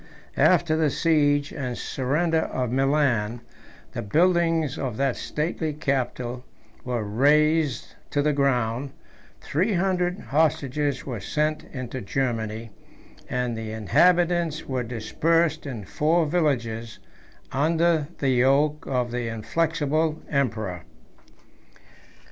after the siege and surrender of Milan, the buildings of that stately capital were razed to the ground, three hundred hostages were sent into Germany, and the inhabitants were dispersed in four villages, under the yoke of the inflexible conqueror.